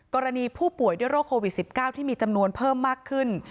กรณีผู้ป่วยด้วยโรคโควิด๑๙ที่มีจำนวนเพิ่มมากขึ้น